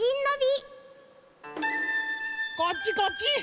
こっちこっち。